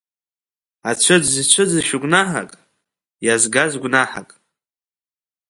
Ацәыӡ зцәыӡыз шәы-гәнаҳак, изгаз гәнаҳак…